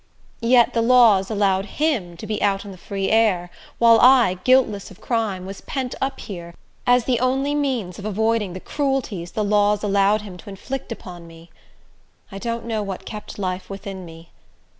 Yet the laws allowed him to be out in the free air, while I, guiltless of crime, was pent up here, as the only means of avoiding the cruelties the laws allowed him to inflict upon me! I don't know what kept life within me.